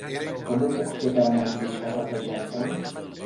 Com ho puc fer per anar a Viver i Serrateix amb tren?